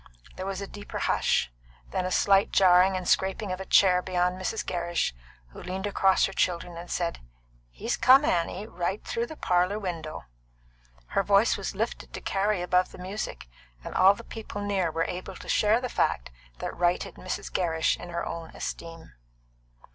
There was a deeper hush; then a slight jarring and scraping of a chair beyond Mrs. Gerrish, who leaned across her children and said, "He's come, Annie right through the parlour window!" Her voice was lifted to carry above the music, and all the people near were able to share the fact that righted Mrs. Gerrish in her own esteem.